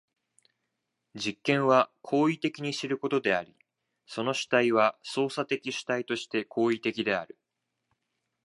実験は行為的に知ることであり、その主体は操作的主体として行為的である。